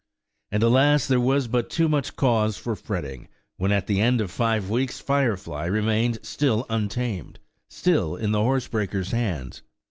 And alas! there was but too much cause for fretting, when at the end of five weeks Firefly remained still untamed–still in the horsebreaker's hands!